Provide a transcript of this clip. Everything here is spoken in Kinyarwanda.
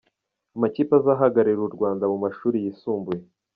Amakipe azahagararira u Rwanda mu mashuri yisumbuye.